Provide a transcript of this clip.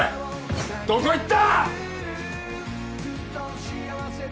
どこ行った！？